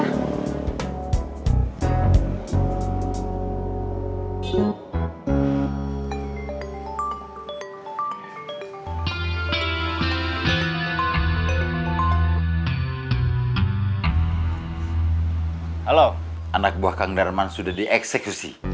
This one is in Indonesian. halo anak buah kang darman sudah dieksekusi